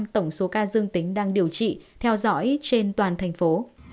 tổng số ca dương tính đang điều trị theo dõi trên toàn thành phố